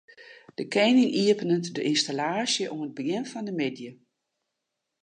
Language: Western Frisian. De kening iepenet de ynstallaasje oan it begjin fan de middei.